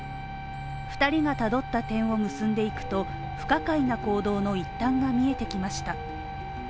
２人がたどった点を結んでいくと、不可解な行動の一端が見えてきました。